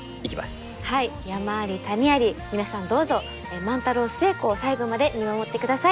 山あり谷あり皆さんどうぞ万太郎寿恵子を最後まで見守ってください。